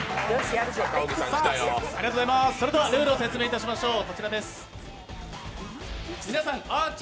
それでは、ルールを説明いたしましょう。